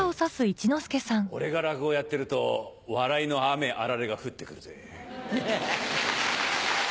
俺が落語やってると笑いの雨あられが降ってくるぜ。